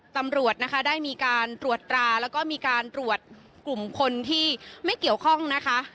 ตำรวจนะคะได้มีการตรวจตราแล้วก็มีการตรวจกลุ่มคนที่ไม่เกี่ยวข้องนะคะ